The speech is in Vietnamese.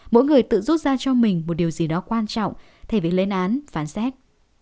mỗi người tự rút ra cho mình một điều gì đó quan trọng thay vì lên án phán xét